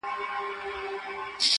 زۀ خداى ساتلمه چي نۀ راپرېوتم او تلمه.